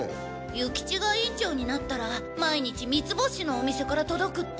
諭吉が委員長になったら毎日三ツ星のお店から届くって。